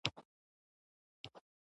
نمک د افغان ماشومانو د لوبو موضوع ده.